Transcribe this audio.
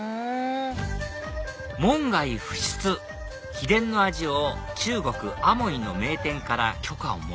門外不出秘伝の味を中国・厦門の名店から許可をもらい